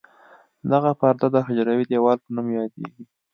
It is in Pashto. دغه پرده د حجروي دیوال په نوم یادیږي.